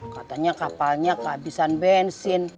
katanya kapalnya kehabisan bensin